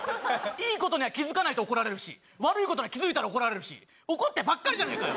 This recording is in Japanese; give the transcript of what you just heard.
いいことには気付かないと怒られるし、悪いことは気付いたら怒られるし、怒ってばっかりじゃねぇかよ。